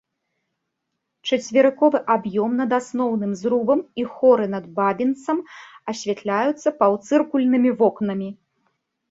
Чацверыковы аб'ём над асноўным зрубам і хоры над бабінцам асвятляюцца паўцыркульнымі вокнамі.